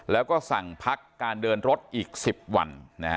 แล้วก็สั่งพักการเดินรถอีก๑๐วัน